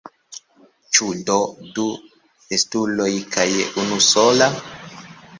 Ĉu do du estuloj kaj unusola?